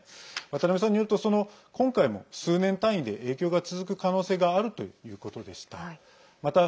渡辺さんによると今回も数年単位で影響が続く可能性があるということでした。